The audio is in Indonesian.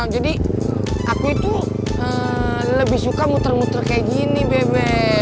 jadi aku itu lebih suka muter muter kayak gini beb